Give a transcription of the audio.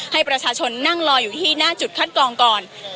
ให้ประชาชนนั่งรออยู่ที่หน้าจุดคัดกองก่อน